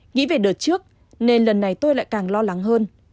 nghĩ về đợt trước nên lần này tôi lại càng lo lắng hơn